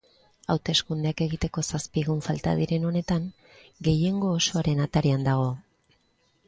Hauteskundeak egiteko zazpi egun falta diren honetan, gehiengo osoaren atarian dago.